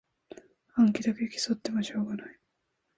暗記だけ競ってもしょうがない